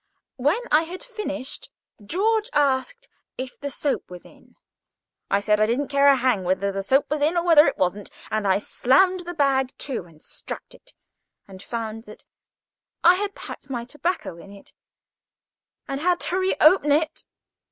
When I had finished, George asked if the soap was in. I said I didn't care a hang whether the soap was in or whether it wasn't; and I slammed the bag to and strapped it, and found that I had packed my tobacco pouch in it, and had to re open it.